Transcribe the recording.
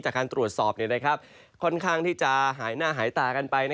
จากการตรวจสอบค่อนข้างที่จะหายหน้าหายตากันไป